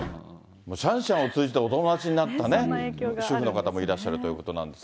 もうシャンシャンを通じてお友達になったね、主婦の方もいらっしゃるということなんですが。